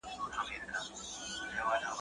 رسنۍ د عامه فکر جوړولو ځواک لري